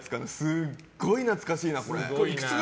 すごい懐かしいな、これ。